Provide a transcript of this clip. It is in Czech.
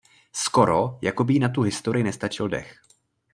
Skoro jako by jí na tu historii nestačil dech.